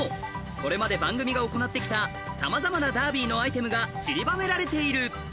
これまで番組が行って来たさまざまなダービーのアイテムがちりばめられている